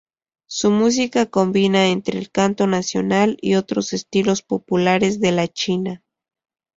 Su música combina entre el canto nacional y otros estilos populares de la China.